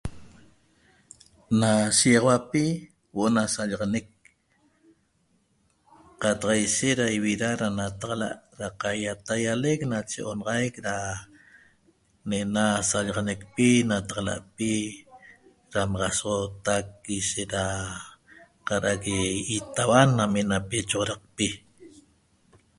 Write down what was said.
Na shexauapi uo o' na sallaxaneq qata sheishet da ivira a' na taxala da qaiatagueleq nache onaxaiq da ne na saxallaneqpi nataxalapi damaxasoxoteq ishet da qarague itauan name na choxoraqpi